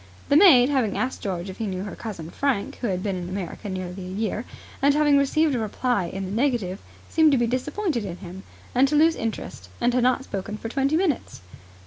The maid, having asked George if he knew her cousin Frank, who had been in America nearly a year, and having received a reply in the negative, seemed to be disappointed in him, and to lose interest, and had not spoken for twenty minutes.